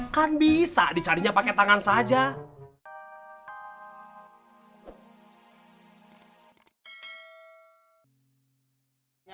kan bisa dicarinya pakai tangan saja